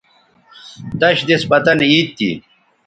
دش دِس پتن عید تھی